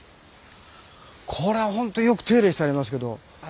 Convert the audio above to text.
これほんとよく手入れしてありますけど。